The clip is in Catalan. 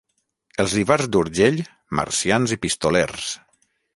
Els d'Ivars d'Urgell, marcians i pistolers.